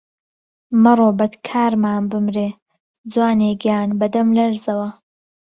مهرۆ بهدکارمان بمرێ، جوانێ گیان به دهملهرزهوه